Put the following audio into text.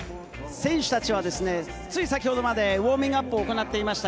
選手たちはつい先ほどまでウオーミングアップを行っていました。